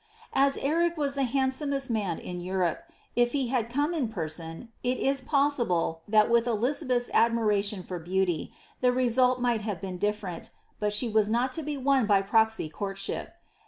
^' As Eric was the handsomest man in Europe, if he had come in person, it is possible that with Elizabeth's admiration for beauty, the result might have been different, but she was not to be won by proxy court ship.